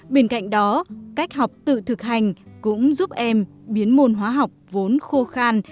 bên cạnh đó cách học tự thực hành cũng giúp em biến môn hóa học vốn khô khan